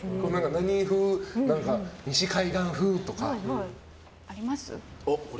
西海岸風とか。あります？